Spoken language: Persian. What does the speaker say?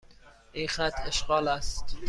این خط اشغال است.